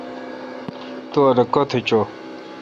تو الو کیتھ چوں ۔